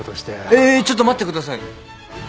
えーちょっと待ってください！